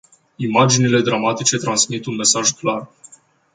Imaginile dramatice transmit un mesaj clar.